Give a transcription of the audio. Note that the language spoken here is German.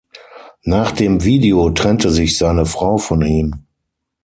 Nach dem Video trennte sich seine Frau von ihm.